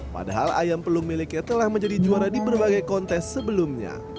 padahal ayam pelung miliknya telah menjadi juara di berbagai kontes sebelumnya